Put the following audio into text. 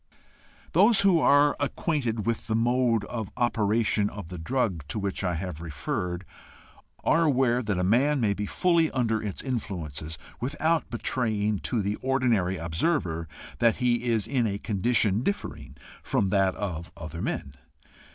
Those who are acquainted with the mode of operation of the drug to which I have referred, are aware that a man may be fully under its influences without betraying to the ordinary observer that he is in a condition differing from that of other men.